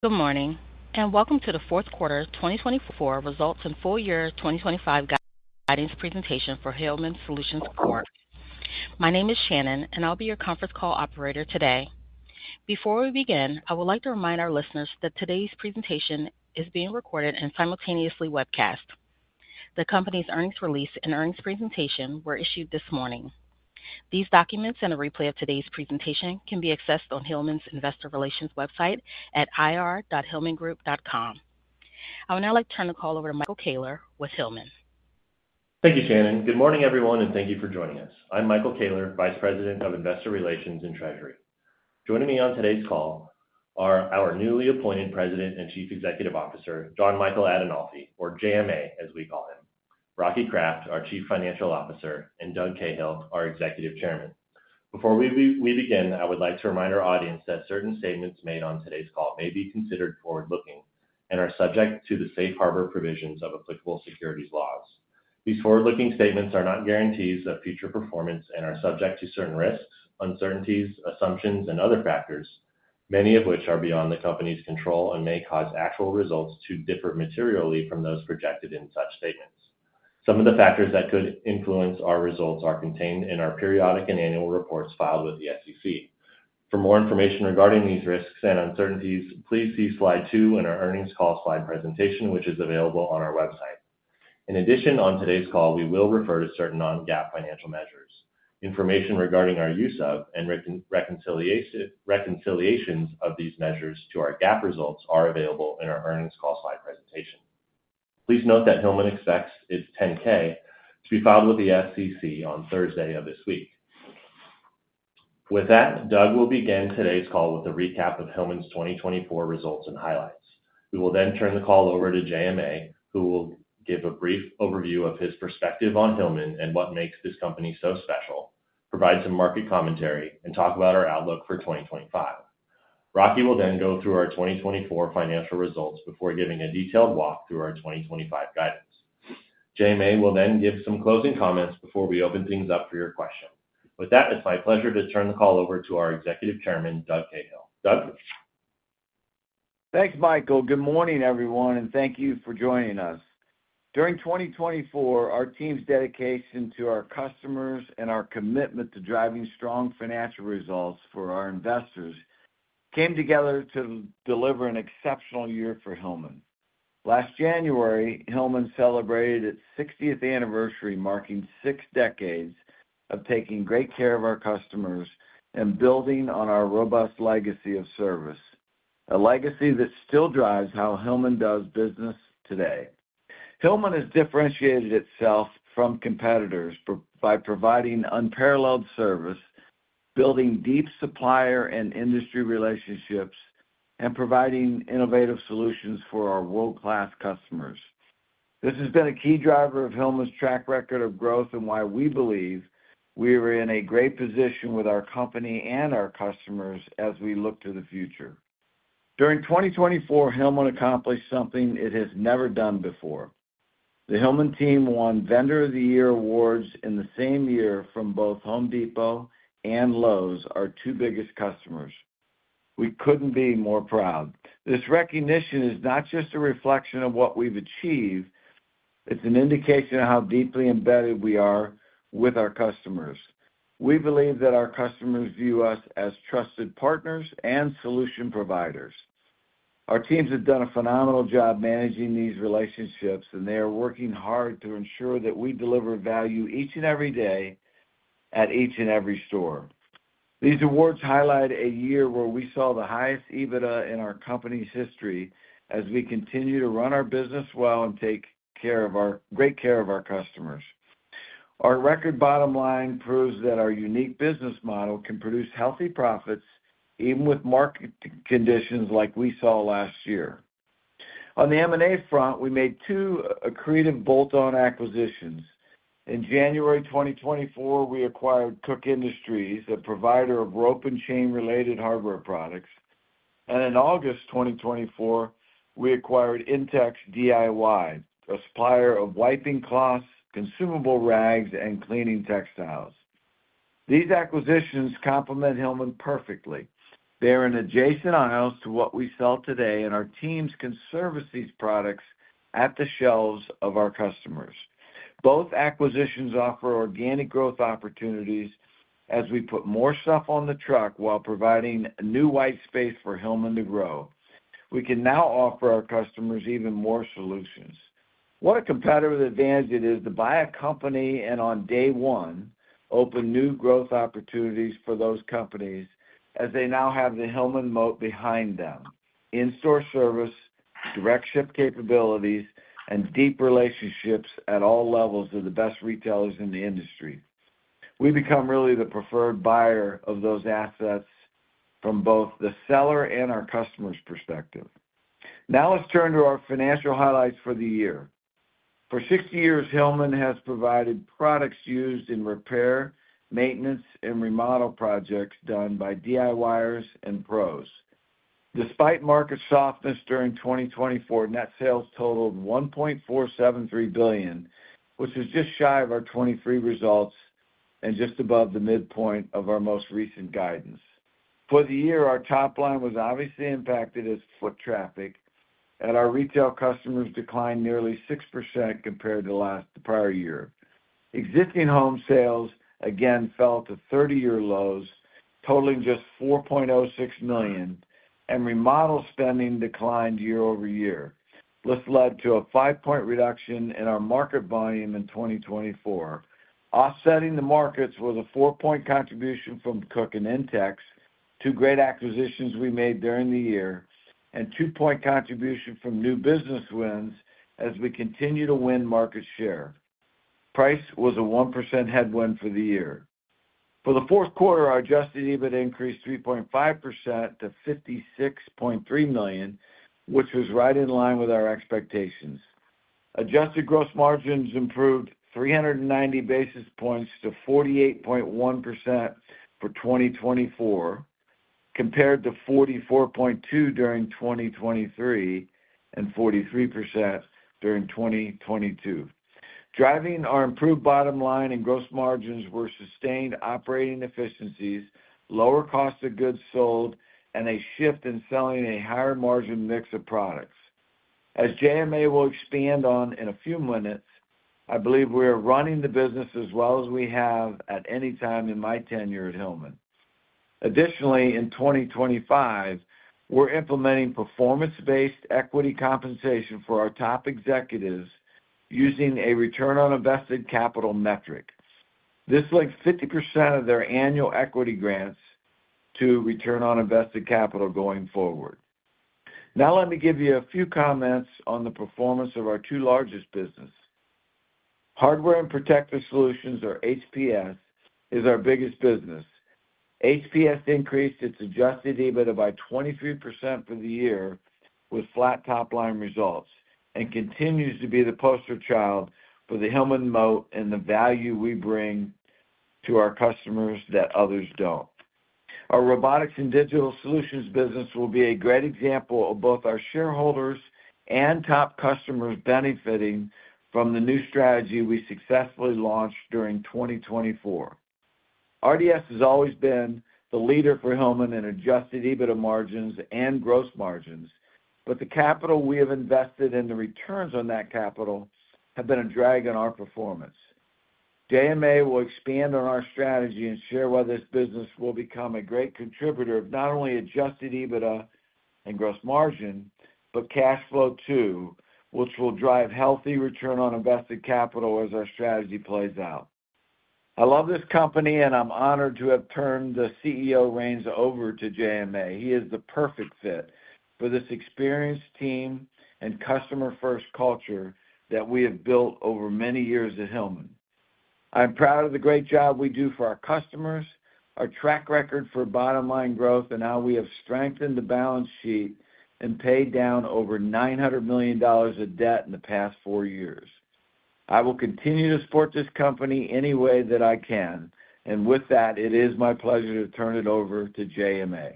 Good morning and welcome to the fourth quarter 2024 results and full year 2025 guidance presentation for Hillman Solutions Corp. My name is Shannon, and I'll be your conference call operator today. Before we begin, I would like to remind our listeners that today's presentation is being recorded and simultaneously webcast. The company's earnings release and earnings presentation were issued this morning. These documents and a replay of today's presentation can be accessed on Hillman's investor relations website at ir.hillmangroup.com. I would now like to turn the call over to Michael Koehler with Hillman. Thank you, Shannon. Good morning, everyone, and thank you for joining us. I'm Michael Koehler, Vice President of Investor Relations and Treasury. Joining me on today's call are our newly appointed President and Chief Executive Officer, John Michael Adinolfi, or JMA as we call him, Rocky Kraft, our Chief Financial Officer, and Doug Cahill, our Executive Chairman. Before we begin, I would like to remind our audience that certain statements made on today's call may be considered forward-looking and are subject to the safe harbor provisions of applicable securities laws. These forward-looking statements are not guarantees of future performance and are subject to certain risks, uncertainties, assumptions, and other factors, many of which are beyond the company's control and may cause actual results to differ materially from those projected in such statements. Some of the factors that could influence our results are contained in our periodic and annual reports filed with the SEC. For more information regarding these risks and uncertainties, please see slide two in our earnings call slide presentation, which is available on our website. In addition, on today's call, we will refer to certain non-GAAP financial measures. Information regarding our use of and reconciliations of these measures to our GAAP results are available in our earnings call slide presentation. Please note that Hillman expects its 10-K to be filed with the SEC on Thursday of this week. With that, Doug will begin today's call with a recap of Hillman's 2024 results and highlights. We will then turn the call over to JMA, who will give a brief overview of his perspective on Hillman and what makes this company so special, provide some market commentary, and talk about our outlook for 2025. Rocky will then go through our 2024 financial results before giving a detailed walk through our 2025 guidance. JMA will then give some closing comments before we open things up for your questions. With that, it's my pleasure to turn the call over to our Executive Chairman, Doug Cahill. Doug. Thanks, Michael. Good morning, everyone, and thank you for joining us. During 2024, our team's dedication to our customers and our commitment to driving strong financial results for our investors came together to deliver an exceptional year for Hillman. Last January, Hillman celebrated its 60th anniversary, marking six decades of taking great care of our customers and building on our robust legacy of service, a legacy that still drives how Hillman does business today. Hillman has differentiated itself from competitors by providing unparalleled service, building deep supplier and industry relationships, and providing innovative solutions for our world-class customers. This has been a key driver of Hillman's track record of growth and why we believe we are in a great position with our company and our customers as we look to the future. During 2024, Hillman accomplished something it has never done before. The Hillman team won Vendor of the Year awards in the same year from both Home Depot and Lowe's, our two biggest customers. We couldn't be more proud. This recognition is not just a reflection of what we've achieved. It's an indication of how deeply embedded we are with our customers. We believe that our customers view us as trusted partners and solution providers. Our teams have done a phenomenal job managing these relationships, and they are working hard to ensure that we deliver value each and every day at each and every store. These awards highlight a year where we saw the highest EBITDA in our company's history as we continue to run our business well and take great care of our customers. Our record bottom line proves that our unique business model can produce healthy profits even with market conditions like we saw last year. On the M&A front, we made two accretive bolt-on acquisitions. In January 2024, we acquired Koch Industries, a provider of rope and chain-related hardware products, and in August 2024, we acquired Intex DIY, a supplier of wiping cloths, consumable rags, and cleaning textiles. These acquisitions complement Hillman perfectly. They are in adjacent aisles to what we sell today, and our teams can service these products at the shelves of our customers. Both acquisitions offer organic growth opportunities as we put more stuff on the truck while providing new white space for Hillman to grow. We can now offer our customers even more solutions. What a competitive advantage it is to buy a company and, on day one, open new growth opportunities for those companies as they now have the Hillman Moat behind them, in-store service, direct ship capabilities, and deep relationships at all levels of the best retailers in the industry. We become really the preferred buyer of those assets from both the seller and our customers' perspective. Now let's turn to our financial highlights for the year. For 60 years, Hillman has provided products used in repair, maintenance, and remodel projects done by DIYers and pros. Despite market softness during 2024, net sales totaled $1.473 billion, which was just shy of our 2023 results and just above the midpoint of our most recent guidance. For the year, our top line was obviously impacted as foot traffic, and our retail customers declined nearly 6% compared to the prior year. Existing home sales again fell to 30-year lows, totaling just $4.06 million, and remodel spending declined year over year. This led to a five-point reduction in our market volume in 2024. Offsetting the markets was a four-point contribution from Koch and Intex, two great acquisitions we made during the year and a two-point contribution from new business wins as we continue to win market share. Price was a 1% headwind for the year. For the fourth quarter, our Adjusted EBIT increased 3.5% to $56.3 million, which was right in line with our expectations. Adjusted gross margins improved 390 basis points to 48.1% for 2024, compared to 44.2% during 2023 and 43% during 2022. Driving our improved bottom line and gross margins were sustained operating efficiencies, lower Cost of Goods Sold, and a shift in selling a higher margin mix of products. As JMA will expand on in a few minutes, I believe we are running the business as well as we have at any time in my tenure at Hillman. Additionally, in 2025, we're implementing performance-based equity compensation for our top executives using a return on invested capital metric. This links 50% of their annual equity grants to return on invested capital going forward. Now let me give you a few comments on the performance of our two largest businesses. Hardware and Protective Solutions, or HPS, is our biggest business. HPS increased its adjusted EBITDA by 23% for the year with flat top line results and continues to be the poster child for the Hillman Moat and the value we bring to our customers that others don't. Our Robotics and Digital Solutions business will be a great example of both our shareholders and top customers benefiting from the new strategy we successfully launched during 2024. RDS has always been the leader for Hillman in Adjusted EBITDA margins and gross margins, but the capital we have invested and the returns on that capital have been a drag on our performance. JMA will expand on our strategy and share whether this business will become a great contributor of not only Adjusted EBITDA and gross margin, but cash flow too, which will drive healthy Return on Invested Capital as our strategy plays out. I love this company, and I'm honored to have turned the CEO reins over to JMA. He is the perfect fit for this experienced team and customer-first culture that we have built over many years at Hillman. I'm proud of the great job we do for our customers, our track record for bottom line growth, and how we have strengthened the balance sheet and paid down over $900 million of debt in the past four years. I will continue to support this company any way that I can. And with that, it is my pleasure to turn it over to JMA.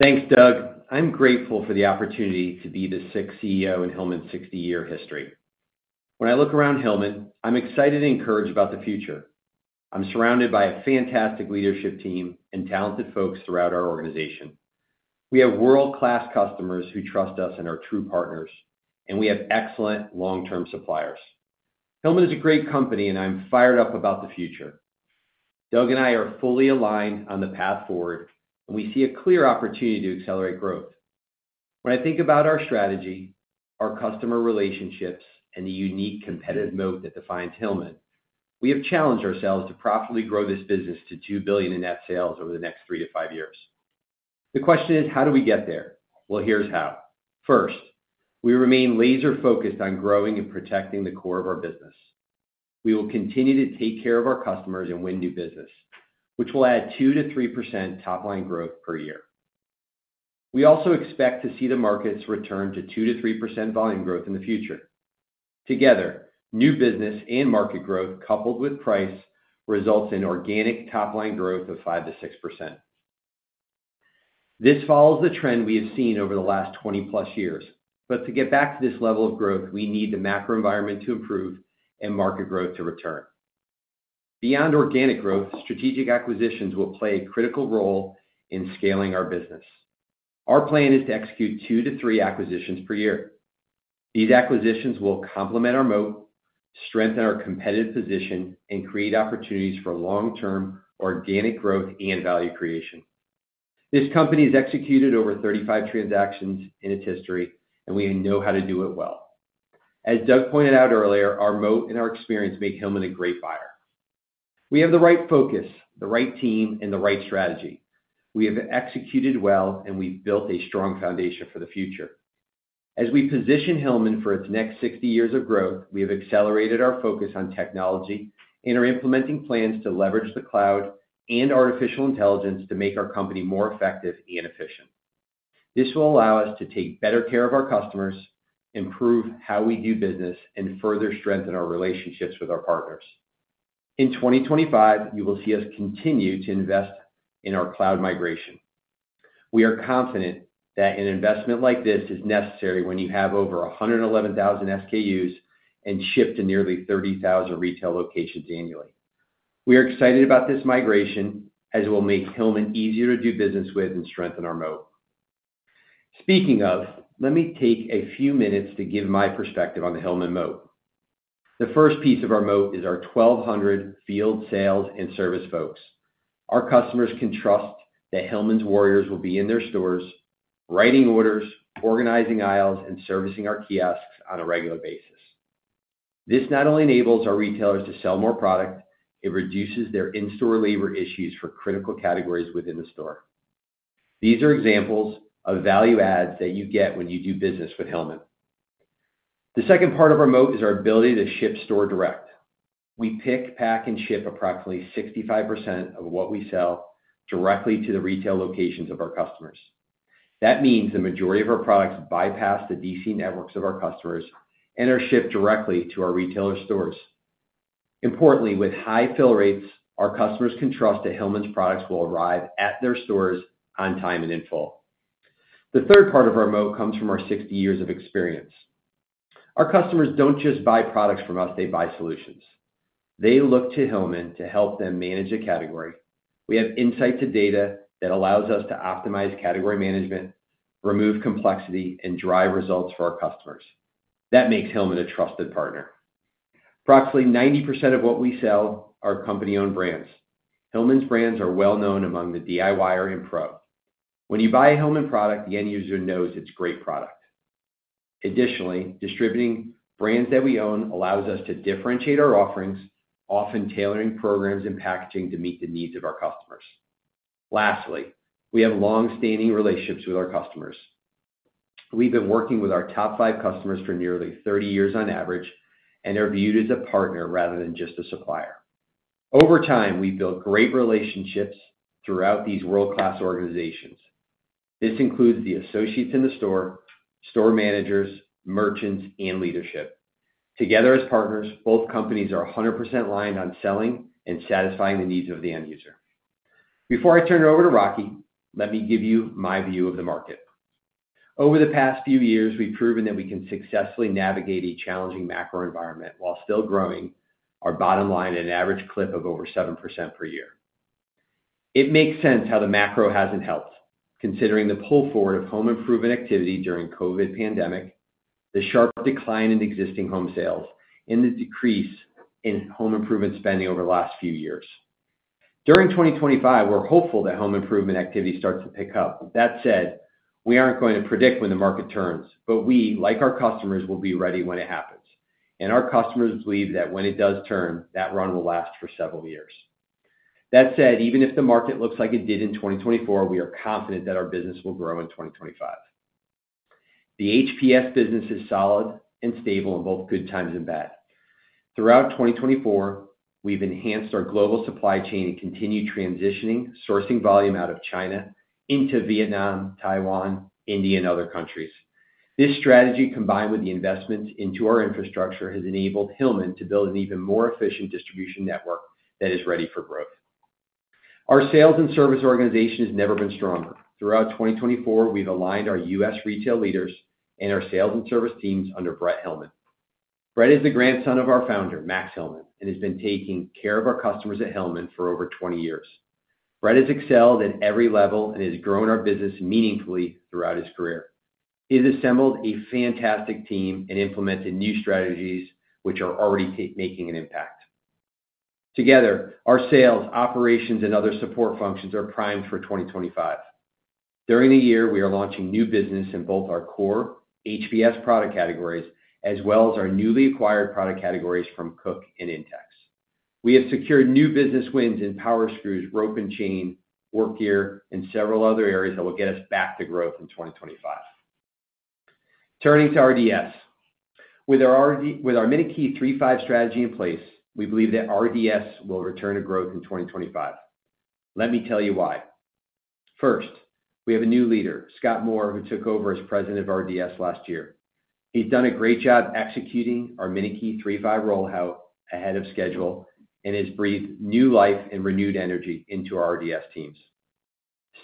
Thanks, Doug. I'm grateful for the opportunity to be the sixth CEO in Hillman's 60-year history. When I look around Hillman, I'm excited and encouraged about the future. I'm surrounded by a fantastic leadership team and talented folks throughout our organization. We have world-class customers who trust us and are true partners, and we have excellent long-term suppliers. Hillman is a great company, and I'm fired up about the future. Doug and I are fully aligned on the path forward, and we see a clear opportunity to accelerate growth. When I think about our strategy, our customer relationships, and the unique competitive moat that defines Hillman, we have challenged ourselves to profitably grow this business to $2 billion in net sales over the next three to five years. The question is, how do we get there? Well, here's how. First, we remain laser-focused on growing and protecting the core of our business. We will continue to take care of our customers and win new business, which will add 2%-3% top line growth per year. We also expect to see the markets return to 2%-3% volume growth in the future. Together, new business and market growth coupled with price results in organic top line growth of 5%-6%. This follows the trend we have seen over the last 20-plus years. But to get back to this level of growth, we need the macro environment to improve and market growth to return. Beyond organic growth, strategic acquisitions will play a critical role in scaling our business. Our plan is to execute two to three acquisitions per year. These acquisitions will complement our moat, strengthen our competitive position, and create opportunities for long-term organic growth and value creation. This company has executed over 35 transactions in its history, and we know how to do it well. As Doug pointed out earlier, our moat and our experience make Hillman a great buyer. We have the right focus, the right team, and the right strategy. We have executed well, and we've built a strong foundation for the future. As we position Hillman for its next 60 years of growth, we have accelerated our focus on technology and are implementing plans to leverage the cloud and artificial intelligence to make our company more effective and efficient. This will allow us to take better care of our customers, improve how we do business, and further strengthen our relationships with our partners. In 2025, you will see us continue to invest in our cloud migration. We are confident that an investment like this is necessary when you have over 111,000 SKUs and ship to nearly 30,000 retail locations annually. We are excited about this migration as it will make Hillman easier to do business with and strengthen our moat. Speaking of, let me take a few minutes to give my perspective on the Hillman moat. The first piece of our moat is our 1,200 field sales and service folks. Our customers can trust that Hillman's warriors will be in their stores, writing orders, organizing aisles, and servicing our kiosks on a regular basis. This not only enables our retailers to sell more product. It reduces their in-store labor issues for critical categories within the store. These are examples of value adds that you get when you do business with Hillman. The second part of our moat is our ability to ship store direct. We pick, pack, and ship approximately 65% of what we sell directly to the retail locations of our customers. That means the majority of our products bypass the DC networks of our customers and are shipped directly to our retailer stores. Importantly, with high fill rates, our customers can trust that Hillman's products will arrive at their stores on time and in full. The third part of our moat comes from our 60 years of experience. Our customers don't just buy products from us. They buy solutions. They look to Hillman to help them manage a category. We have insight to data that allows us to optimize category management, remove complexity, and drive results for our customers. That makes Hillman a trusted partner. Approximately 90% of what we sell are company-owned brands. Hillman's brands are well-known among the DIYer and pro. When you buy a Hillman product, the end user knows it's a great product. Additionally, distributing brands that we own allows us to differentiate our offerings, often tailoring programs and packaging to meet the needs of our customers. Lastly, we have long-standing relationships with our customers. We've been working with our top five customers for nearly 30 years on average and are viewed as a partner rather than just a supplier. Over time, we've built great relationships throughout these world-class organizations. This includes the associates in the store, store managers, merchants, and leadership. Together as partners, both companies are 100% aligned on selling and satisfying the needs of the end user. Before I turn it over to Rocky, let me give you my view of the market. Over the past few years, we've proven that we can successfully navigate a challenging macro environment while still growing our bottom line at an average clip of over 7% per year. It makes sense how the macro hasn't helped, considering the pull forward of home-improvement activity during the COVID pandemic, the sharp decline in existing home sales, and the decrease in home-improvement spending over the last few years. During 2025, we're hopeful that home-improvement activity starts to pick up. That said, we aren't going to predict when the market turns, but we, like our customers, will be ready when it happens. And our customers believe that when it does turn, that run will last for several years. That said, even if the market looks like it did in 2024, we are confident that our business will grow in 2025. The HPS business is solid and stable in both good times and bad. Throughout 2024, we've enhanced our global supply chain and continued transitioning sourcing volume out of China into Vietnam, Taiwan, India, and other countries. This strategy, combined with the investments into our infrastructure, has enabled Hillman to build an even more efficient distribution network that is ready for growth. Our sales and service organization has never been stronger. Throughout 2024, we've aligned our U.S. retail leaders and our sales and service teams under Brett Hillman. Brett is the grandson of our founder, Max Hillman, and has been taking care of our customers at Hillman for over 20 years. Brett has excelled at every level and has grown our business meaningfully throughout his career. He has assembled a fantastic team and implemented new strategies, which are already making an impact. Together, our sales, operations, and other support functions are primed for 2025. During the year, we are launching new business in both our core HPS product categories as well as our newly acquired product categories from Koch and Intex. We have secured new business wins in power screws, rope and chain, work gear, and several other areas that will get us back to growth in 2025. Turning to RDS, with our MinuteKey 3.5 strategy in place, we believe that RDS will return to growth in 2025. Let me tell you why. First, we have a new leader, Scott Moore, who took over as president of RDS last year. He's done a great job executing our MinuteKey 3.5 rollout ahead of schedule and has breathed new life and renewed energy into our RDS teams.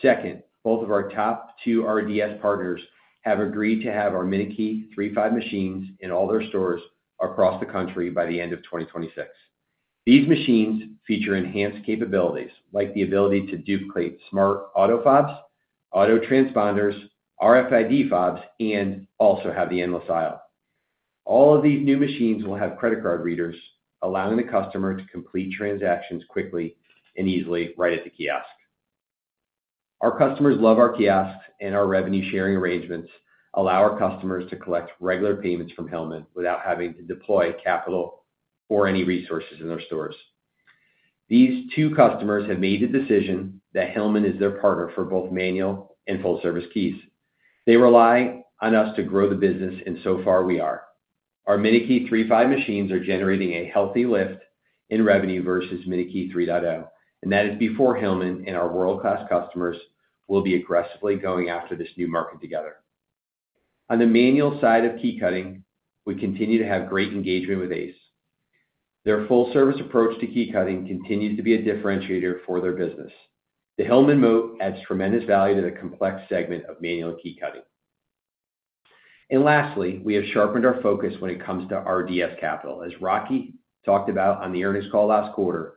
Second, both of our top two RDS partners have agreed to have our MinuteKey 3.5 machines in all their stores across the country by the end of 2026. These machines feature enhanced capabilities like the ability to duplicate smart auto fobs, auto transponders, RFID fobs, and also have the endless aisle. All of these new machines will have credit card readers, allowing the customer to complete transactions quickly and easily right at the kiosk. Our customers love our kiosks, and our revenue-sharing arrangements allow our customers to collect regular payments from Hillman without having to deploy capital or any resources in their stores. These two customers have made the decision that Hillman is their partner for both manual and full-service keys. They rely on us to grow the business, and so far we are. Our MinuteKey 3.5 machines are generating a healthy lift in revenue versus MinuteKey 3.0, and that is before Hillman and our world-class customers will be aggressively going after this new market together. On the manual side of key cutting, we continue to have great engagement with Ace. Their full-service approach to key cutting continues to be a differentiator for their business. The Hillman Moat adds tremendous value to the complex segment of manual key cutting. And lastly, we have sharpened our focus when it comes to RDS capital. As Rocky talked about on the earnings call last quarter,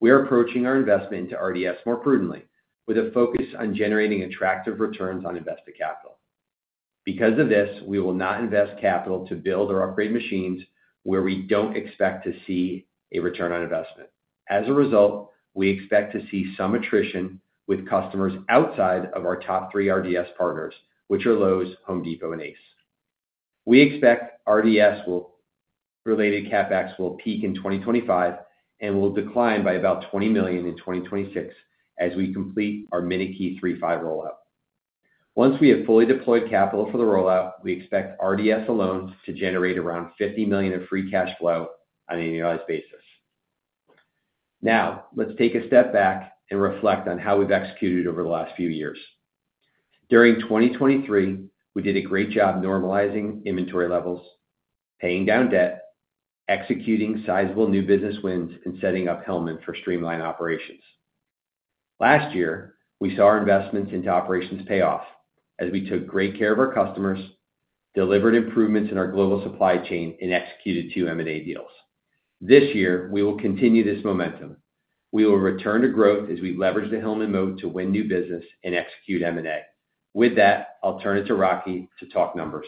we are approaching our investment into RDS more prudently with a focus on generating attractive returns on invested capital. Because of this, we will not invest capital to build or upgrade machines where we don't expect to see a return on investment. As a result, we expect to see some attrition with customers outside of our top three RDS partners, which are Lowe's, Home Depot, and Ace. We expect RDS-related CapEx will peak in 2025 and will decline by about $20 million in 2026 as we complete our MinuteKey 3.5 rollout. Once we have fully deployed capital for the rollout, we expect RDS alone to generate around $50 million of free cash flow on an annualized basis. Now, let's take a step back and reflect on how we've executed over the last few years. During 2023, we did a great job normalizing inventory levels, paying down debt, executing sizable new business wins, and setting up Hillman for streamlined operations. Last year, we saw our investments into operations pay off as we took great care of our customers, delivered improvements in our global supply chain, and executed two M&A deals. This year, we will continue this momentum. We will return to growth as we leverage the Hillman Moat to win new business and execute M&A. With that, I'll turn it to Rocky to talk numbers.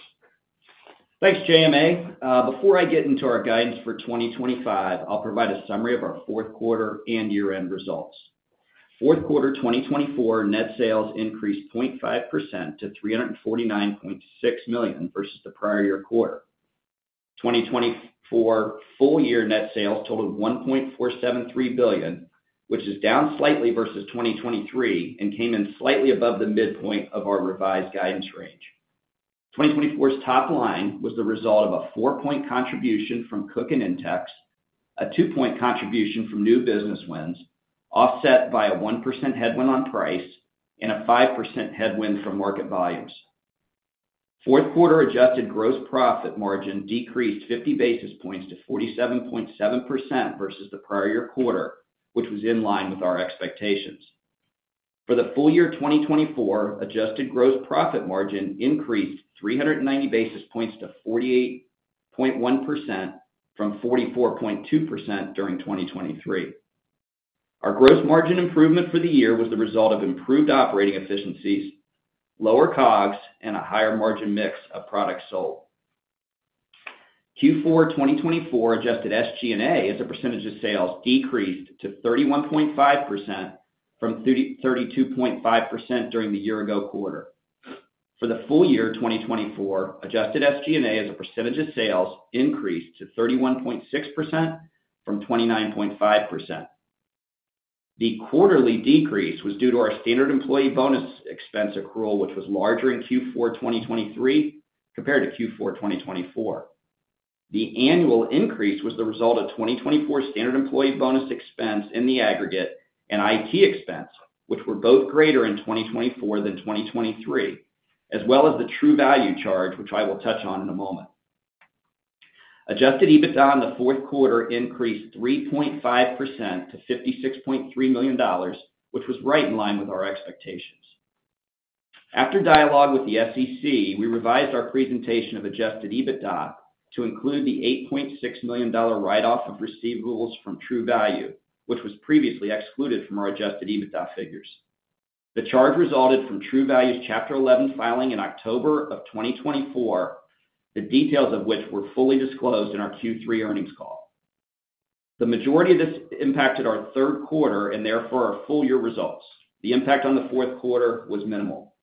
Thanks, JMA. Before I get into our guidance for 2025, I'll provide a summary of our fourth quarter and year-end results. Fourth quarter 2024, net sales increased 0.5% to $349.6 million versus the prior year quarter. 2024 full-year net sales totaled $1.473 billion, which is down slightly versus 2023 and came in slightly above the midpoint of our revised guidance range. 2024's top line was the result of a four-point contribution from Koch and Intex, a two-point contribution from new business wins, offset by a 1% headwind on price and a 5% headwind from market volumes. Fourth quarter adjusted gross profit margin decreased 50 basis points to 47.7% versus the prior year quarter, which was in line with our expectations. For the full year 2024, adjusted gross profit margin increased 390 basis points to 48.1% from 44.2% during 2023. Our gross margin improvement for the year was the result of improved operating efficiencies, lower COGS, and a higher margin mix of products sold. Q4 2024 adjusted SG&A as a percentage of sales decreased to 31.5% from 32.5% during the year-ago quarter. For the full year 2024, adjusted SG&A as a percentage of sales increased to 31.6% from 29.5%. The quarterly decrease was due to our standard employee bonus expense accrual, which was larger in Q4 2023 compared to Q4 2024. The annual increase was the result of 2024 standard employee bonus expense in the aggregate and IT expense, which were both greater in 2024 than 2023, as well as the True Value charge, which I will touch on in a moment. Adjusted EBITDA in the fourth quarter increased 3.5% to $56.3 million, which was right in line with our expectations. After dialogue with the SEC, we revised our presentation of adjusted EBITDA to include the $8.6 million write-off of receivables from True Value, which was previously excluded from our adjusted EBITDA figures. The charge resulted from True Value's Chapter 11 filing in October of 2024, the details of which were fully disclosed in our Q3 earnings call. The majority of this impacted our third quarter and therefore our full-year results. The impact on the fourth quarter was minimal.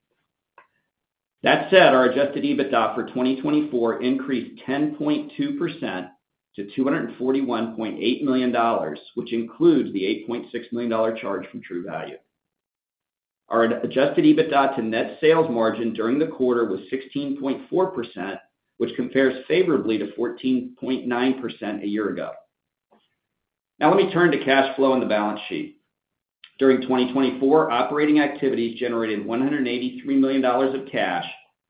That said, our Adjusted EBITDA for 2024 increased 10.2% to $241.8 million, which includes the $8.6 million charge from True Value. Our Adjusted EBITDA to net sales margin during the quarter was 16.4%, which compares favorably to 14.9% a year ago. Now, let me turn to cash flow and the balance sheet. During 2024, operating activities generated $183 million of cash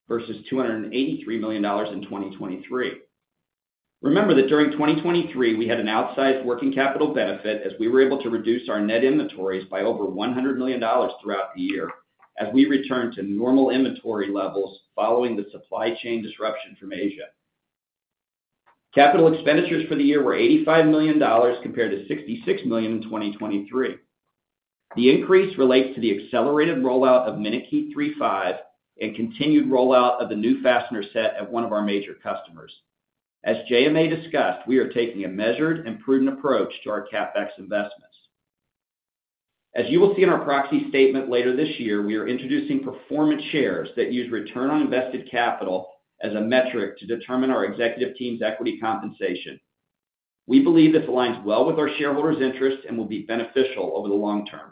versus $283 million in 2023. Remember that during 2023, we had an outsized working capital benefit as we were able to reduce our net inventories by over $100 million throughout the year as we returned to normal inventory levels following the supply chain disruption from Asia. Capital expenditures for the year were $85 million compared to $66 million in 2023. The increase relates to the accelerated rollout of MinuteKey 3.5 and continued rollout of the new fastener set at one of our major customers. As JMA discussed, we are taking a measured and prudent approach to our CapEx investments. As you will see in our proxy statement later this year, we are introducing performance shares that use return on invested capital as a metric to determine our executive team's equity compensation. We believe this aligns well with our shareholders' interests and will be beneficial over the long term.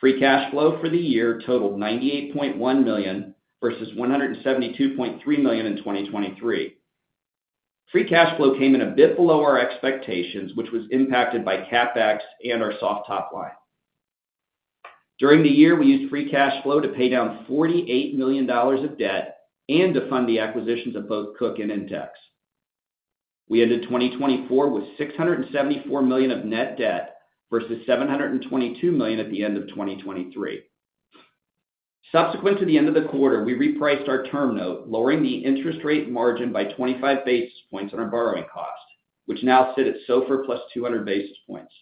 Free cash flow for the year totaled $98.1 million versus $172.3 million in 2023. Free cash flow came in a bit below our expectations, which was impacted by CapEx and our soft top line. During the year, we used free cash flow to pay down $48 million of debt and to fund the acquisitions of both Koch and Intex. We ended 2024 with $674 million of net debt versus $722 million at the end of 2023. Subsequent to the end of the quarter, we repriced our term note, lowering the interest rate margin by 25 basis points on our borrowing cost, which now sit at SOFR plus 200 basis points.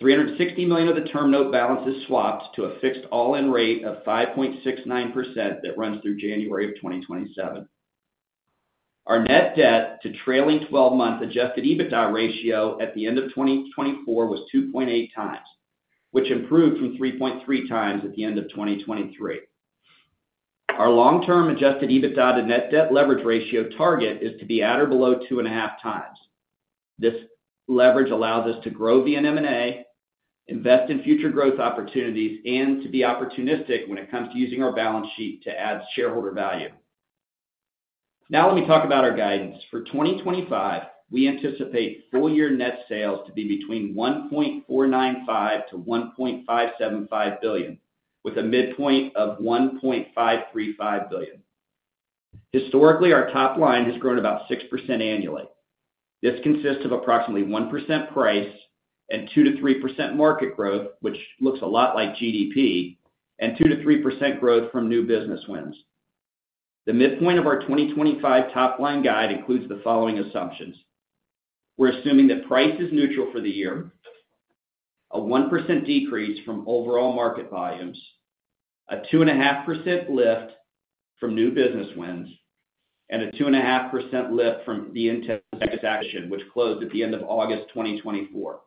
$360 million of the term note balance is swapped to a fixed all-in rate of 5.69% that runs through January of 2027. Our net debt to trailing 12-month adjusted EBITDA ratio at the end of 2024 was 2.8 times, which improved from 3.3 times at the end of 2023. Our long-term adjusted EBITDA to net debt leverage ratio target is to be at or below 2.5 times. This leverage allows us to grow via M&A, invest in future growth opportunities, and to be opportunistic when it comes to using our balance sheet to add shareholder value. Now, let me talk about our guidance. For 2025, we anticipate full-year net sales to be between $1.495-$1.575 billion, with a midpoint of $1.535 billion. Historically, our top line has grown about 6% annually. This consists of approximately 1% price and 2%-3% market growth, which looks a lot like GDP, and 2%-3% growth from new business wins. The midpoint of our 2025 top line guide includes the following assumptions. We're assuming that price is neutral for the year, a 1% decrease from overall market volumes, a 2.5% lift from new business wins, and a 2.5% lift from the Intex acquisition, which closed at the end of August 2024.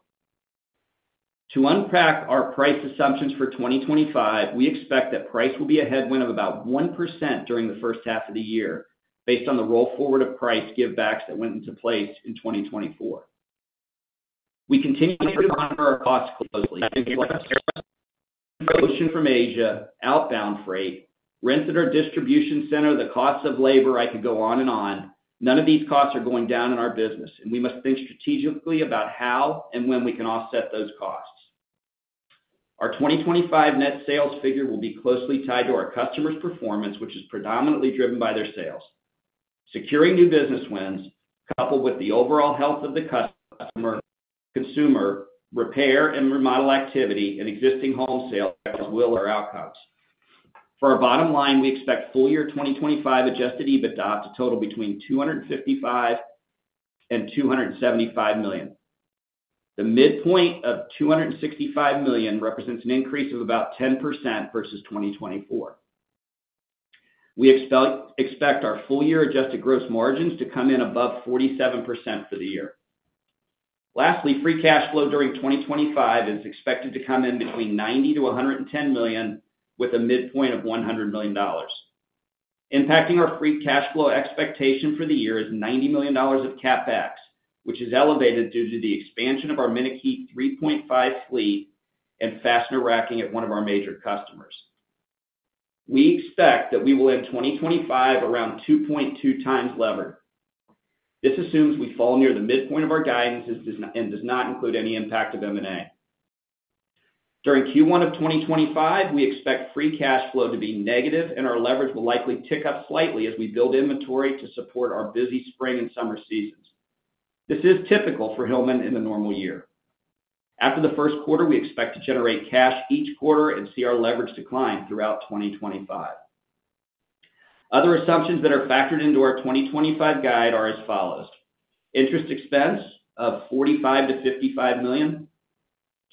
To unpack our price assumptions for 2025, we expect that price will be a headwind of about 1% during the first half of the year based on the roll forward of price give-backs that went into place in 2024. We continue to monitor our costs closely. Inflation from Asia, outbound freight, rents at our distribution center, the costs of labor, I could go on and on. None of these costs are going down in our business, and we must think strategically about how and when we can offset those costs. Our 2025 net sales figure will be closely tied to our customers' performance, which is predominantly driven by their sales. Securing new business wins, coupled with the overall health of the customer, consumer, repair and remodel activity, and existing home sales will our outcomes. For our bottom line, we expect full year 2025 adjusted EBITDA to total between $255 and $275 million. The midpoint of $265 million represents an increase of about 10% versus 2024. We expect our full-year adjusted gross margins to come in above 47% for the year. Lastly, free cash flow during 2025 is expected to come in between $90-$110 million with a midpoint of $100 million. Impacting our free cash flow expectation for the year is $90 million of CapEx, which is elevated due to the expansion of our MinuteKey 3.5 fleet and fastener racking at one of our major customers. We expect that we will end 2025 around 2.2 times levered. This assumes we fall near the midpoint of our guidance and does not include any impact of M&A. During Q1 of 2025, we expect free cash flow to be negative, and our leverage will likely tick up slightly as we build inventory to support our busy spring and summer seasons. This is typical for Hillman in the normal year. After the first quarter, we expect to generate cash each quarter and see our leverage decline throughout 2025. Other assumptions that are factored into our 2025 guide are as follows: interest expense of $45-$55 million,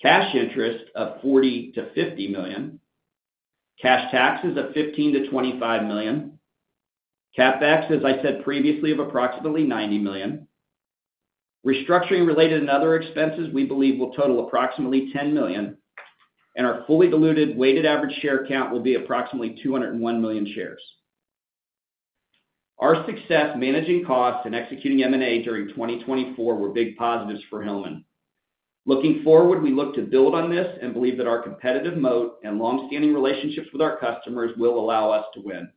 cash interest of $40-$50 million, cash taxes of $15-$25 million, CapEx, as I said previously, of approximately $90 million. Restructuring-related and other expenses we believe will total approximately $10 million, and our fully diluted weighted average share count will be approximately 201 million shares. Our success managing costs and executing M&A during 2024 were big positives for Hillman. Looking forward, we look to build on this and believe that our competitive moat and long-standing relationships with our customers will allow us to win.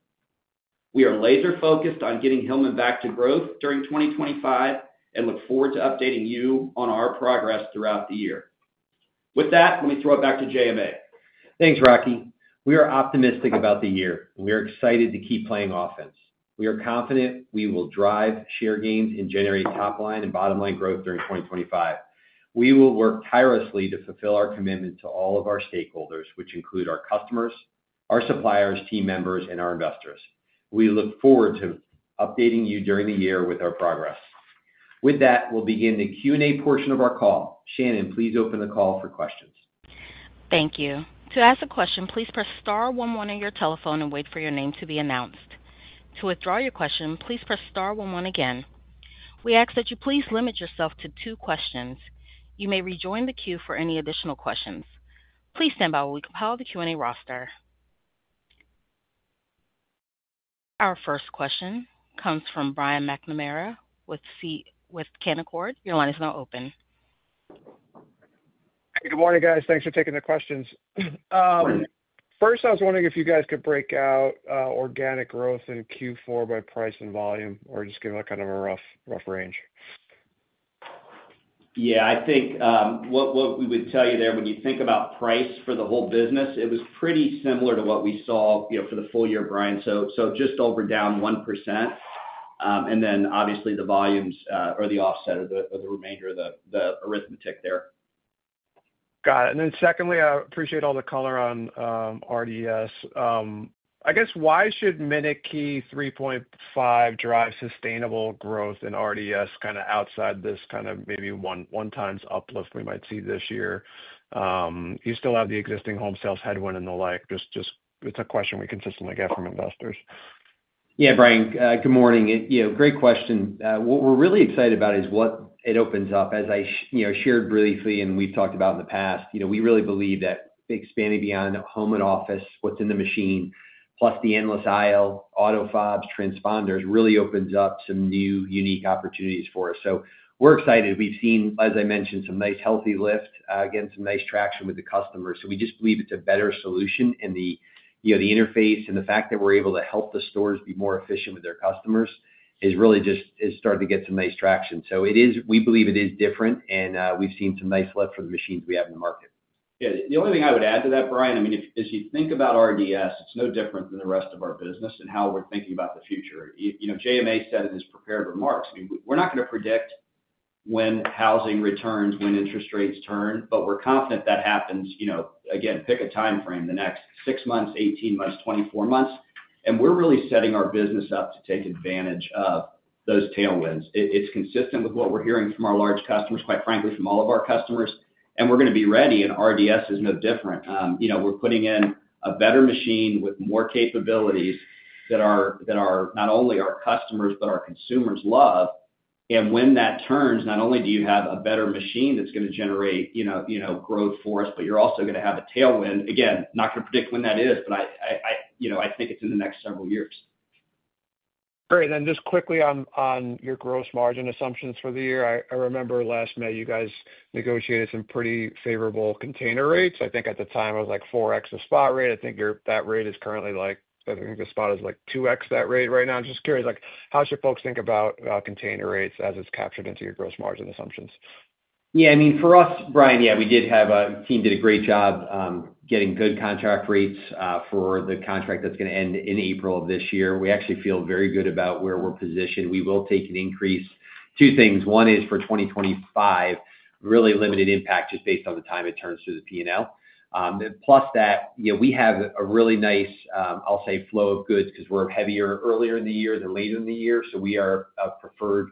We are laser-focused on getting Hillman back to growth during 2025 and look forward to updating you on our progress throughout the year. With that, let me throw it back to JMA. Thanks, Rocky. We are optimistic about the year, and we are excited to keep playing offense. We are confident we will drive share gains and generate top line and bottom line growth during 2025. We will work tirelessly to fulfill our commitment to all of our stakeholders, which include our customers, our suppliers, team members, and our investors. We look forward to updating you during the year with our progress. With that, we'll begin the Q&A portion of our call. Shannon, please open the call for questions. Thank you. To ask a question, please press star one one on your telephone and wait for your name to be announced. To withdraw your question, please press star one one again. We ask that you please limit yourself to two questions. You may rejoin the queue for any additional questions. Please stand by while we compile the Q&A roster. Our first question comes from Brian McNamara with Canaccord. Your line is now open. Good morning, guys. Thanks for taking the questions. First, I was wondering if you guys could break out organic growth in Q4 by price and volume or just give it kind of a rough range. Yeah, I think what we would tell you there when you think about price for the whole business, it was pretty similar to what we saw for the full year, Brian. So just over down 1%. And then obviously the volumes or the offset of the remainder of the arithmetic there. Got it. And then secondly, I appreciate all the color on RDS. I guess why should MinuteKey 3.5 drive sustainable growth in RDS kind of outside this kind of maybe one-time uplift we might see this year? You still have the existing home sales headwind and the like. It's a question we consistently get from investors. Yeah, Brian, good morning. Great question. What we're really excited about is what it opens up. As I shared briefly and we've talked about in the past, we really believe that expanding beyond home and office, what's in the machine, plus the endless aisle, auto fobs, transponders really opens up some new unique opportunities for us, so we're excited. We've seen, as I mentioned, some nice healthy lift, again, some nice traction with the customers, so we just believe it's a better solution, and the interface and the fact that we're able to help the stores be more efficient with their customers is really just starting to get some nice traction. So we believe it is different, and we've seen some nice lift for the machines we have in the market. Yeah, the only thing I would add to that, Brian. I mean, as you think about RDS, it's no different than the rest of our business and how we're thinking about the future. JMA said in his prepared remarks, we're not going to predict when housing returns, when interest rates turn, but we're confident that happens. Again, pick a timeframe, the next six months, 18 months, 24 months. And we're really setting our business up to take advantage of those tailwinds. It's consistent with what we're hearing from our large customers, quite frankly, from all of our customers. And we're going to be ready, and RDS is no different. We're putting in a better machine with more capabilities that are not only our customers, but our consumers love. And when that turns, not only do you have a better machine that's going to generate growth for us, but you're also going to have a tailwind. Again, not going to predict when that is, but I think it's in the next several years. All right. And then just quickly on your gross margin assumptions for the year. I remember last May you guys negotiated some pretty favorable container rates. I think at the time it was like 4x the spot rate. I think that rate is currently, I think the spot is like 2x that rate right now. I'm just curious, how should folks think about container rates as it's captured into your gross margin assumptions? Yeah, I mean, for us, Brian, yeah, we did have a team that did a great job getting good contract rates for the contract that's going to end in April of this year. We actually feel very good about where we're positioned. We will take an increase. Two things. One is for 2025, really limited impact just based on the time it turns through the P&L. Plus that we have a really nice, I'll say, flow of goods because we're heavier earlier in the year than later in the year. So we are a preferred,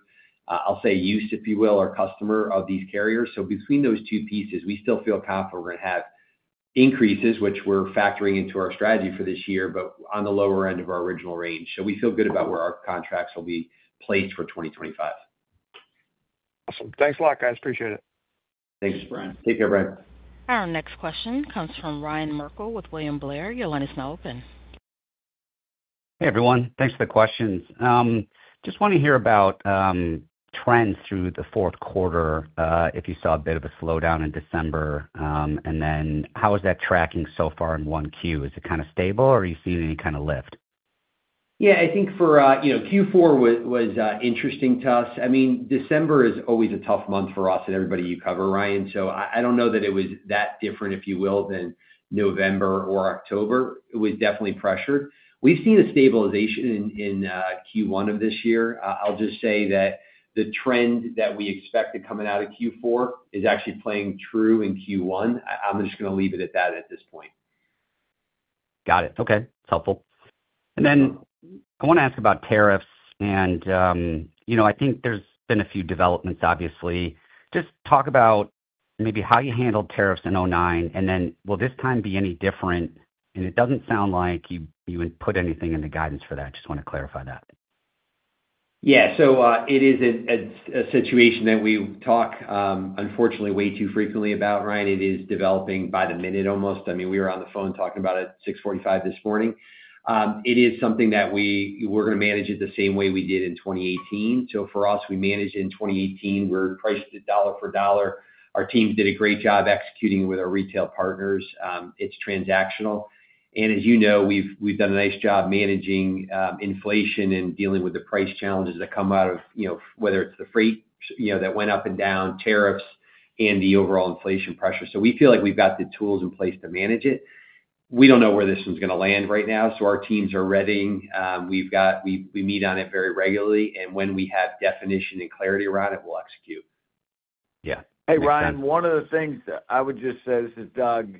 I'll say, use, if you will, our customer of these carriers. So between those two pieces, we still feel confident we're going to have increases, which we're factoring into our strategy for this year, but on the lower end of our original range. So we feel good about where our contracts will be placed for 2025. Awesome. Thanks a lot, guys. Appreciate it. Thanks, Brian. Take care, Brian. Our next question comes from Ryan Merkel with William Blair. Your line is now open. Hey, everyone. Thanks for the questions. Just want to hear about trends through the fourth quarter. If you saw a bit of a slowdown in December, and then how is that tracking so far in Q1? Is it kind of stable, or are you seeing any kind of lift? Yeah, I think for Q4 was interesting to us. I mean, December is always a tough month for us and everybody you cover, Ryan. So I don't know that it was that different, if you will, than November or October. It was definitely pressured. We've seen a stabilization in Q1 of this year. I'll just say that the trend that we expect to come out of Q4 is actually playing true in Q1. I'm just going to leave it at that at this point. Got it. Okay. That's helpful. And then I want to ask about tariffs. I think there's been a few developments, obviously. Just talk about maybe how you handled tariffs in 2009, and then will this time be any different? It doesn't sound like you put anything in the guidance for that. Just want to clarify that. Yeah. It is a situation that we talk, unfortunately, way too frequently about, Ryan. It is developing by the minute almost. I mean, we were on the phone talking about it at 6:45 A.M. this morning. It is something that we're going to manage it the same way we did in 2018. For us, we managed it in 2018. We're priced at dollar for dollar. Our team did a great job executing with our retail partners. It's transactional. As you know, we've done a nice job managing inflation and dealing with the price challenges that come out of whether it's the freight that went up and down, tariffs, and the overall inflation pressure. So we feel like we've got the tools in place to manage it. We don't know where this one's going to land right now. So our teams are ready. We meet on it very regularly. And when we have definition and clarity around it, we'll execute. Yeah. Hey, Ryan, one of the things I would just say, this is Doug.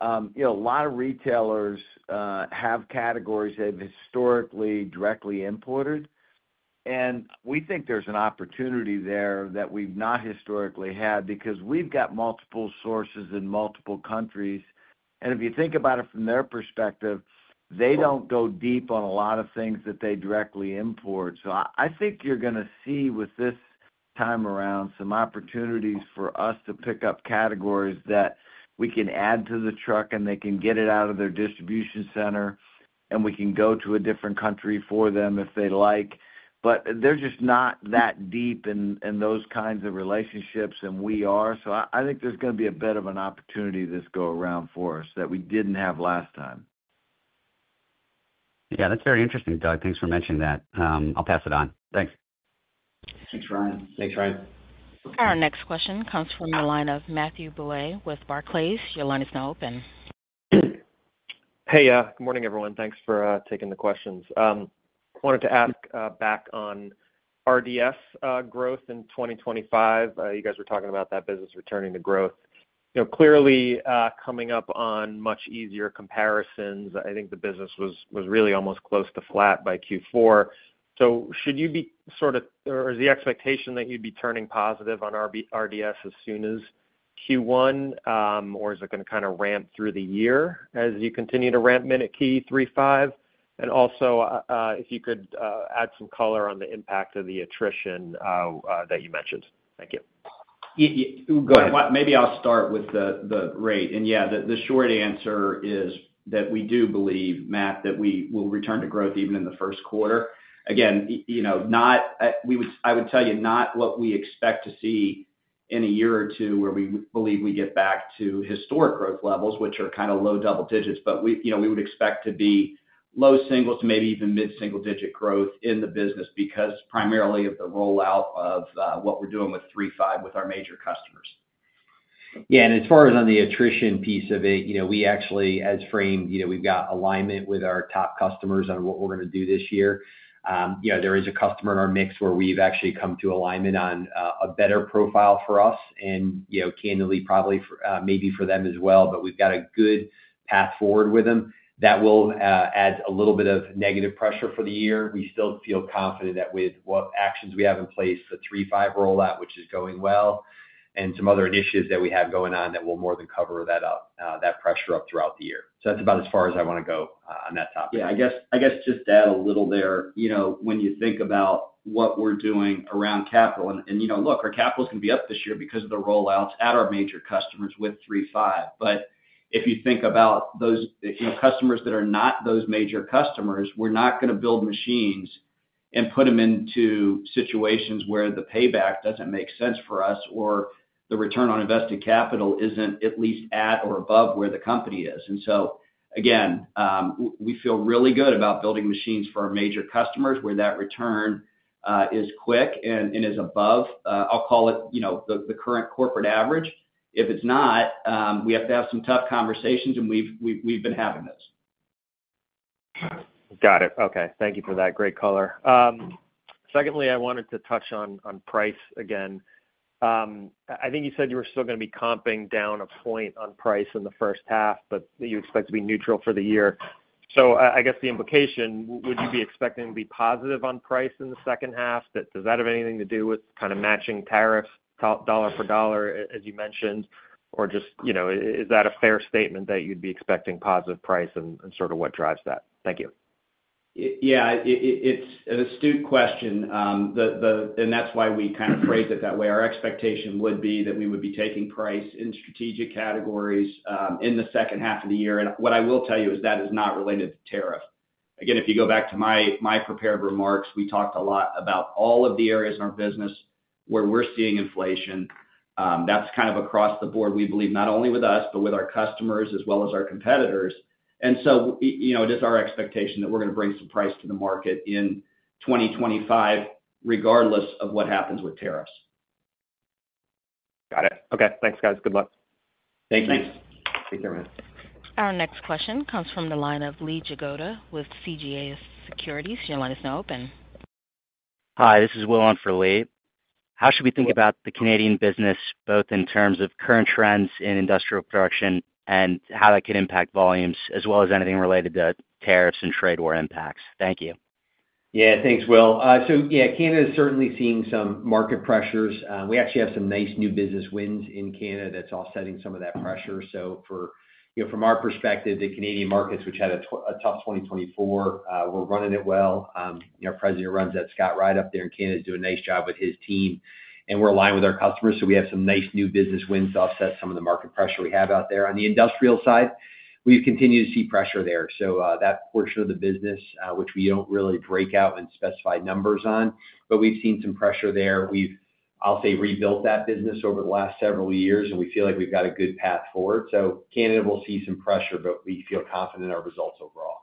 A lot of retailers have categories they've historically directly imported. And we think there's an opportunity there that we've not historically had because we've got multiple sources in multiple countries. And if you think about it from their perspective, they don't go deep on a lot of things that they directly import. So I think you're going to see with this time around some opportunities for us to pick up categories that we can add to the truck and they can get it out of their distribution center, and we can go to a different country for them if they like. But they're just not that deep in those kinds of relationships than we are. So I think there's going to be a bit of an opportunity this go around for us that we didn't have last time. Yeah, that's very interesting, Doug. Thanks for mentioning that. I'll pass it on. Thanks. Thanks, Ryan. Thanks, Ryan. Our next question comes from the line of Matthew Bouley with Barclays. Your line is now open. Hey, good morning, everyone. Thanks for taking the questions. Wanted to ask back on RDS growth in 2025. You guys were talking about that business returning to growth. Clearly coming up on much easier comparisons, I think the business was really almost close to flat by Q4, so should you be sort of, or is the expectation that you'd be turning positive on RDS as soon as Q1, or is it going to kind of ramp through the year as you continue to ramp MinuteKey 3.5? And also, if you could add some color on the impact of the attrition that you mentioned. Thank you. Go ahead. Maybe I'll start with the rate, and yeah, the short answer is that we do believe, Matt, that we will return to growth even in the first quarter. Again, I would tell you, not what we expect to see in a year or two where we believe we get back to historic growth levels, which are kind of low double digits, but we would expect to be low single to maybe even mid-single digit growth in the business because primarily of the rollout of what we're doing with 3.5 with our major customers. Yeah. And as far as on the attrition piece of it, we actually, as framed, we've got alignment with our top customers on what we're going to do this year. There is a customer in our mix where we've actually come to alignment on a better profile for us and candidly, probably maybe for them as well, but we've got a good path forward with them that will add a little bit of negative pressure for the year. We still feel confident that with what actions we have in place for 3.5 rollout, which is going well, and some other initiatives that we have going on that will more than cover that pressure up throughout the year. So that's about as far as I want to go on that topic. Yeah. I guess just add a little there. When you think about what we're doing around capital and look, our capital is going to be up this year because of the rollouts at our major customers with 3.5. But if you think about those customers that are not those major customers, we're not going to build machines and put them into situations where the payback doesn't make sense for us or the return on invested capital isn't at least at or above where the company is. And so, again, we feel really good about building machines for our major customers where that return is quick and is above. I'll call it the current corporate average. If it's not, we have to have some tough conversations, and we've been having those. Got it. Okay. Thank you for that. Great color. Secondly, I wanted to touch on price again. I think you said you were still going to be comping down a point on price in the first half, but you expect to be neutral for the year. So I guess the implication. Would you be expecting to be positive on price in the second half? Does that have anything to do with kind of matching tariffs dollar for dollar, as you mentioned, or just is that a fair statement that you'd be expecting positive price and sort of what drives that? Thank you. Yeah. It's an astute question. And that's why we kind of phrase it that way. Our expectation would be that we would be taking price in strategic categories in the second half of the year. And what I will tell you is that is not related to tariff. Again, if you go back to my prepared remarks, we talked a lot about all of the areas in our business where we're seeing inflation. That's kind of across the board. We believe not only with us, but with our customers as well as our competitors. And so it is our expectation that we're going to bring some price to the market in 2025, regardless of what happens with tariffs. Got it. Okay. Thanks, guys. Good luck. Thank you. Thanks. Take care, man. Our next question comes from the line of Lee Jagoda with CJS Securities. Your line is now open. Hi. This is Will on for Lee. How should we think about the Canadian business, both in terms of current trends in industrial production and how that could impact volumes, as well as anything related to tariffs and trade war impacts? Thank you. Yeah. Thanks, Will. So yeah, Canada is certainly seeing some market pressures. We actually have some nice new business wins in Canada that's offsetting some of that pressure. So from our perspective, the Canadian markets, which had a tough 2024, we're running it well. Our president, Scott Wright, up there in Canada and is doing a nice job with his team. And we're aligned with our customers, so we have some nice new business wins to offset some of the market pressure we have out there. On the industrial side, we've continued to see pressure there. So that portion of the business, which we don't really break out and specify numbers on, but we've seen some pressure there. We've, I'll say, rebuilt that business over the last several years, and we feel like we've got a good path forward. So Canada will see some pressure, but we feel confident in our results overall.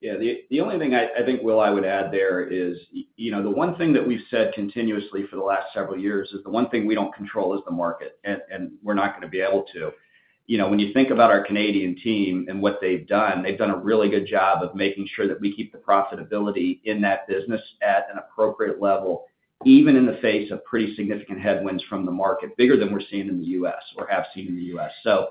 Yeah. The only thing I think, Will, I would add there is the one thing that we've said continuously for the last several years is the one thing we don't control is the market, and we're not going to be able to. When you think about our Canadian team and what they've done, they've done a really good job of making sure that we keep the profitability in that business at an appropriate level, even in the face of pretty significant headwinds from the market, bigger than we're seeing in the U.S. or have seen in the U.S. So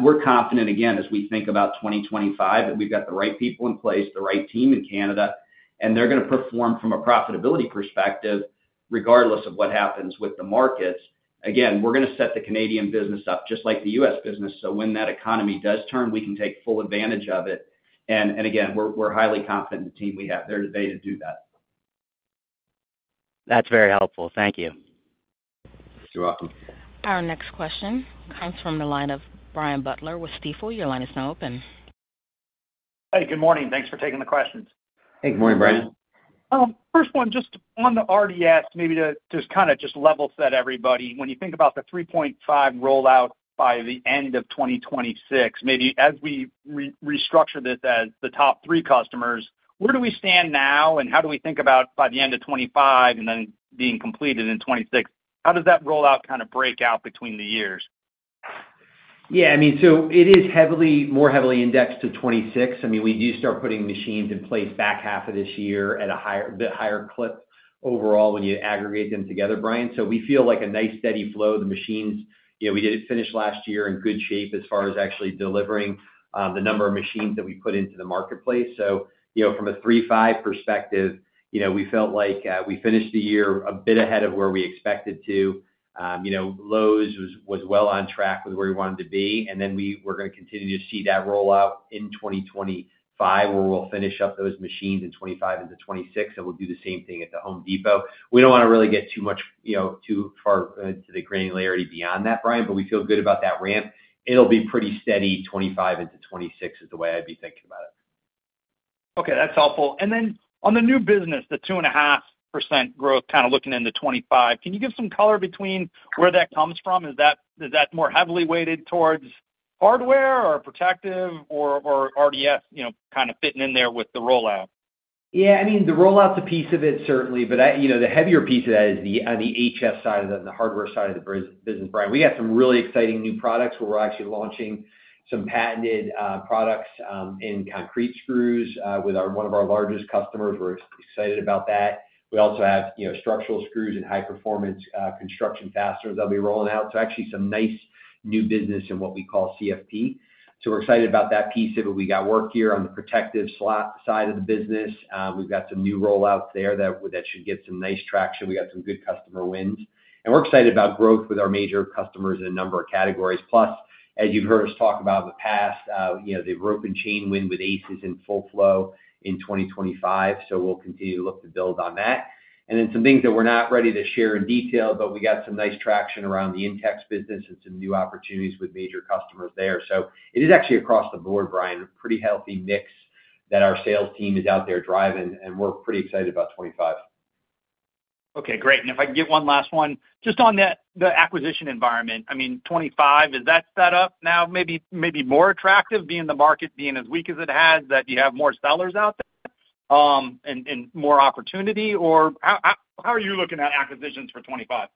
we're confident, again, as we think about 2025 that we've got the right people in place, the right team in Canada, and they're going to perform from a profitability perspective, regardless of what happens with the markets. Again, we're going to set the Canadian business up just like the U.S. business. So when that economy does turn, we can take full advantage of it. And again, we're highly confident in the team we have. They're ready to do that. That's very helpful. Thank you. You're welcome. Our next question comes from the line of Brian Butler with Stifel. Your line is now open. Hey, good morning. Thanks for taking the questions. Hey, good morning, Brian. First one, just on the RDS, maybe to just kind of just level set everybody. When you think about the 3.5 rollout by the end of 2026, maybe as we restructure this as the top three customers, where do we stand now and how do we think about by the end of 2025 and then being completed in 2026? How does that rollout kind of break out between the years? Yeah. I mean, so it is more heavily indexed to 2026. I mean, we do start putting machines in place back half of this year at a bit higher clip overall when you aggregate them together, Brian. So we feel like a nice steady flow. The machines, we didn't finish last year in good shape as far as actually delivering the number of machines that we put into the marketplace, so from a 3.5 perspective, we felt like we finished the year a bit ahead of where we expected to. Lowe's was well on track with where we wanted to be, and then we're going to continue to see that rollout in 2025, where we'll finish up those machines in 2025 into 2026, and we'll do the same thing at the Home Depot. We don't want to really get too far into the granularity beyond that, Brian, but we feel good about that ramp. It'll be pretty steady 2025 into 2026 is the way I'd be thinking about it. Okay. That's helpful. And then on the new business, the 2.5% growth, kind of looking into 2025, can you give some color between where that comes from? Is that more heavily weighted towards hardware or protective or RDS kind of fitting in there with the rollout? Yeah. I mean, the rollout's a piece of it, certainly. But the heavier piece of that is on the HPS side of the hardware side of the business, Brian. We got some really exciting new products where we're actually launching some patented products in concrete screws with one of our largest customers. We're excited about that. We also have structural screws and high-performance construction fasteners that'll be rolling out. So actually some nice new business in what we call CFP. So we're excited about that piece of it. We got work here on the protective side of the business. We've got some new rollouts there that should get some nice traction. We got some good customer wins. We're excited about growth with our major customers in a number of categories. Plus, as you've heard us talk about in the past, the rope and chain win with Ace is in full flow in 2025. We'll continue to look to build on that. Then some things that we're not ready to share in detail, but we got some nice traction around the Intex business and some new opportunities with major customers there. It is actually across the board, Brian, pretty healthy mix that our sales team is out there driving, and we're pretty excited about 2025. Okay. Great. If I can get one last one, just on the acquisition environment, I mean, 2025, is that set up now maybe more attractive, being the market as weak as it has, that you have more sellers out there and more opportunity? Or how are you looking at acquisitions for 2025?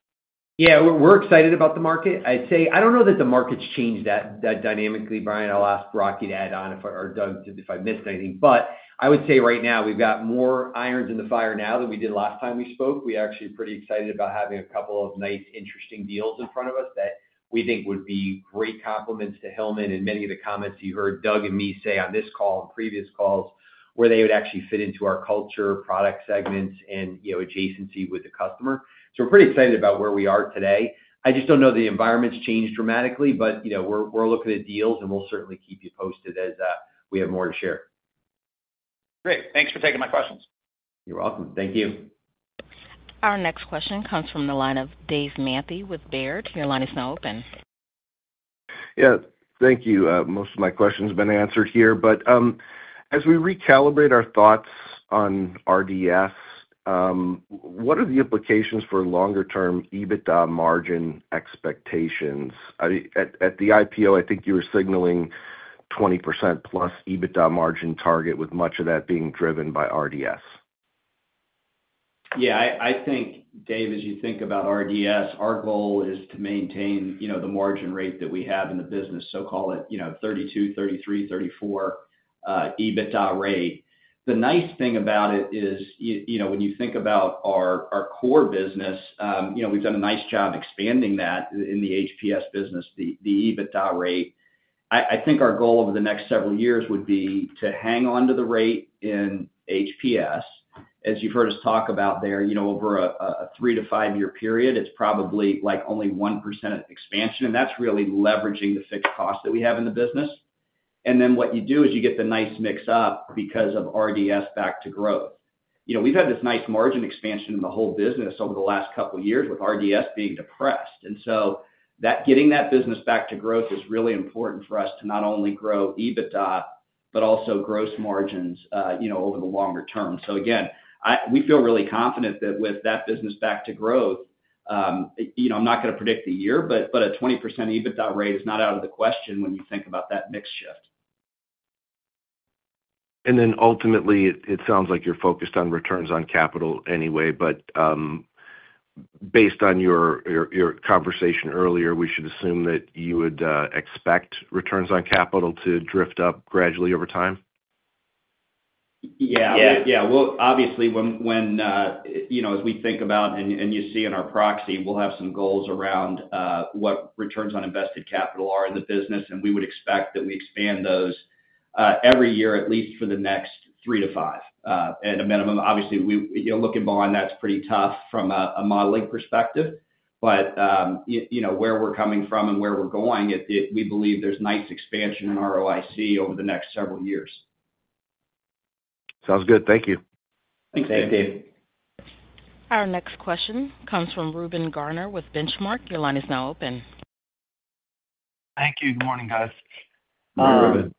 Yeah. We're excited about the market. I don't know that the market's changed that dynamically, Brian. I'll ask Rocky to add on if Doug said I missed anything. But I would say right now, we've got more irons in the fire now than we did last time we spoke. We're actually pretty excited about having a couple of nice, interesting deals in front of us that we think would be great complements to Hillman and many of the comments you heard Doug and me say on this call and previous calls where they would actually fit into our culture, product segments, and adjacency with the customer. So we're pretty excited about where we are today. I just don't know the environment's changed dramatically, but we're looking at deals, and we'll certainly keep you posted as we have more to share. Great. Thanks for taking my questions. You're welcome. Thank you. Our next question comes from the line of Dave Manthey with Baird. Your line is now open. Yeah. Thank you. Most of my questions have been answered here. But as we recalibrate our thoughts on RDS, what are the implications for longer-term EBITDA margin expectations? At the IPO, I think you were signaling 20% plus EBITDA margin target with much of that being driven by RDS. Yeah. I think, Dave, as you think about RDS, our goal is to maintain the margin rate that we have in the business, so-called 32%, 33%, 34% EBITDA rate. The nice thing about it is when you think about our core business, we've done a nice job expanding that in the HPS business, the EBITDA rate. I think our goal over the next several years would be to hang on to the rate in HPS, as you've heard us talk about there, over a three- to five-year period. It's probably like only 1% expansion, and that's really leveraging the fixed cost that we have in the business, and then what you do is you get the nice mix up because of RDS back to growth. We've had this nice margin expansion in the whole business over the last couple of years with RDS being depressed. And so getting that business back to growth is really important for us to not only grow EBITDA, but also gross margins over the longer term. So again, we feel really confident that with that business back to growth, I'm not going to predict the year, but a 20% EBITDA rate is not out of the question when you think about that mix shift. And then ultimately, it sounds like you're focused on returns on capital anyway. But based on your conversation earlier, we should assume that you would expect returns on capital to drift up gradually over time? Yeah. Yeah. Well, obviously, as we think about and you see in our proxy, we'll have some goals around what returns on invested capital are in the business, and we would expect that we expand those every year, at least for the next three to five at a minimum. Obviously, looking behind, that's pretty tough from a modeling perspective. But where we're coming from and where we're going, we believe there's nice expansion in ROIC over the next several years. Sounds good. Thank you. Thanks, Dave. Our next question comes from Reuben Garner with Benchmark. Your line is now open. Thank you. Good morning, guys. Hey,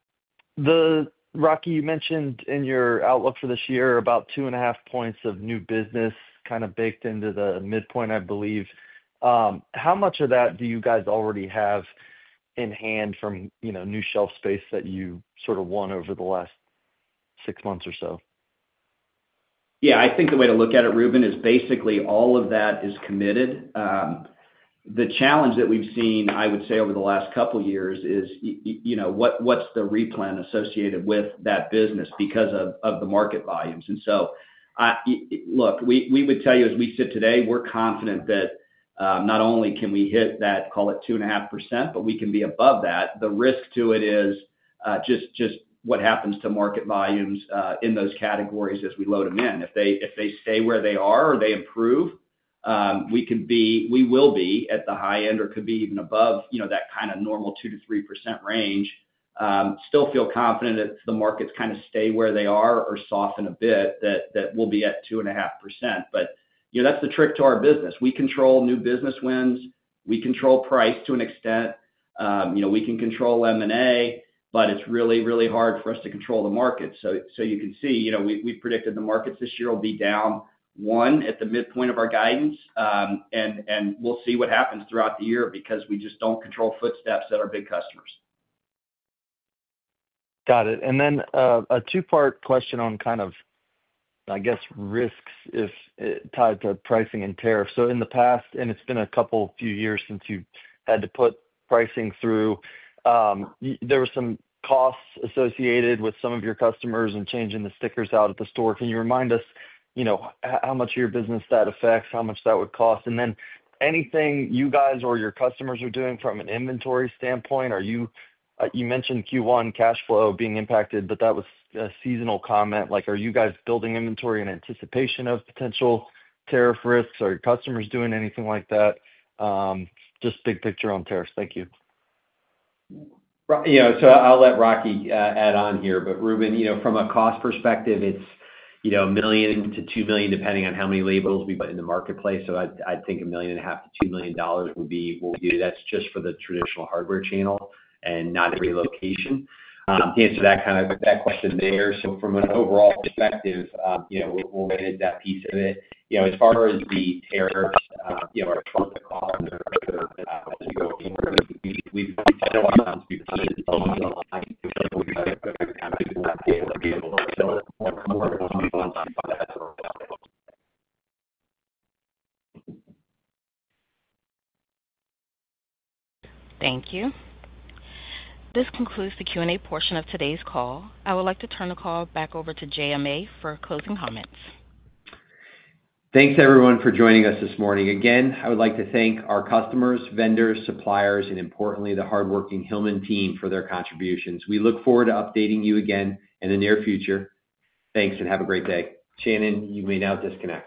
Reuben. Hey, Rocky, you mentioned in your outlook for this year about two and a half points of new business kind of baked into the midpoint, I believe. How much of that do you guys already have in hand from new shelf space that you sort of won over the last six months or so? Yeah. I think the way to look at it, Reuben, is basically all of that is committed. The challenge that we've seen, I would say, over the last couple of years is what's the uplift associated with that business because of the market volumes. And so, look, we would tell you as we sit today, we're confident that not only can we hit that, call it 2.5%, but we can be above that. The risk to it is just what happens to market volumes in those categories as we load them in. If they stay where they are or they improve, we will be at the high end or could be even above that kind of normal 2%-3% range. Still feel confident that if the markets kind of stay where they are or soften a bit, that we'll be at 2.5%. But that's the trick to our business. We control new business wins. We control price to an extent. We can control M&A, but it's really, really hard for us to control the market. So you can see we've predicted the markets this year will be down 1% at the midpoint of our guidance, and we'll see what happens throughout the year because we just don't control foot traffic at our big customers. Got it. And then a two-part question on kind of, I guess, risks tied to pricing and tariffs. So in the past, and it's been a couple of a few years since you've had to put pricing through, there were some costs associated with some of your customers and changing the stickers out at the store. Can you remind us how much of your business that affects, how much that would cost? And then anything you guys or your customers are doing from an inventory standpoint? You mentioned Q1 cash flow being impacted, but that was a seasonal comment. Are you guys building inventory in anticipation of potential tariff risks? Are your customers doing anything like that? Just big picture on tariffs. Thank you. Yeah. So I'll let Rocky add on here. But Reuben, from a cost perspective, it's $1 million-$2 million, depending on how many labels we put in the marketplace. So I'd think $1.5 million-$2 million would be what we do. That's just for the traditional hardware channel and not every location. To answer that kind of question there, so from an overall perspective, we'll manage that piece of it. As far as the tariffs, our outlook on the curve as we go forward, we've had a lot of months before the line. We've had a good amount of people not be able to sell more than. Thank you. This concludes the Q&A portion of today's call. I would like to turn the call back over to JMA for closing comments. Thanks, everyone, for joining us this morning. Again, I would like to thank our customers, vendors, suppliers, and importantly, the hardworking Hillman team for their contributions. We look forward to updating you again in the near future. Thanks, and have a great day. Shannon, you may now disconnect.